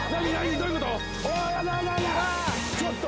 どういうこと？